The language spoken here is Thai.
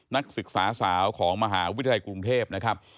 นักศึกษาสาวของมหาวิทยาลัยกรุงเทพนะครับ